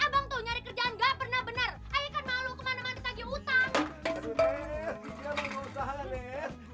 abang tuh nyari kerjaan gak pernah bener